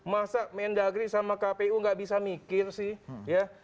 masa mendagri sama kpu gak bisa mikir sih